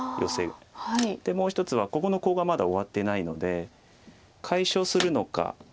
でもう１つはここのコウがまだ終わってないので解消するのか。